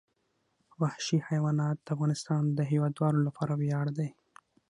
وحشي حیوانات د افغانستان د هیوادوالو لپاره ویاړ دی.